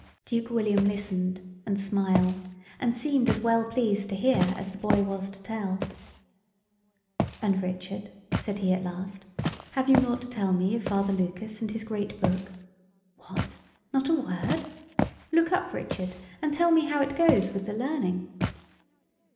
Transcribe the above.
Duke William listened, and smiled, and seemed as well pleased to hear as the boy was to tell. "And, Richard," said he at last, "have you nought to tell me of Father Lucas, and his great book? What, not a word? Look up, Richard, and tell me how it goes with the learning."